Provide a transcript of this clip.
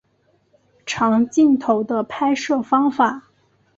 长镜头的拍摄方法。